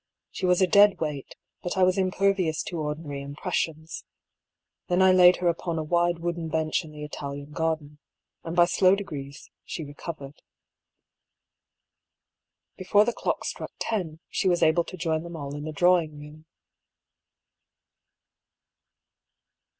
She was a dead weight, but I was impervious to ordinary im pressions. Then I laid her upon a wide wooden bench in the Italian garden, and by slow degrees she recov ered. Before the clock struck ten, she was able to join them all in the drawing room.